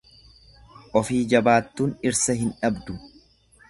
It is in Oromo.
Ofii jabaattuun dhirsa hin dhabdu.